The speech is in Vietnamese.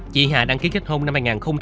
chị hà đăng ký kết hôn năm hai nghìn bảy